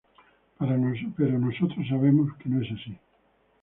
Pero nosotros sabemos que no es así.